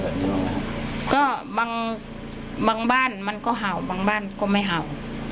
แบบนี้บ้างนะครับก็บางบ้านมันก็เห่าบางบ้านก็ไม่เห่า